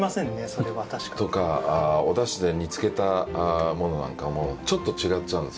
それは確かに。とかおだしで煮つけたものなんかもちょっと違っちゃうんですよ。